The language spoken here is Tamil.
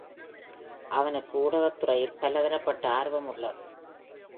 அவனுக்கு ஊடக துறையில் பலதரப்பட்ட ஆர்வம் உள்ளது.